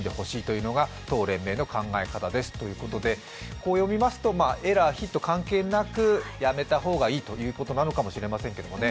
こう読みますと、エラー、ヒット関係なく、やめた方がいいということなのかもしれませんけどね。